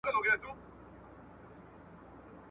بیا به موسم وي د پسرلیو `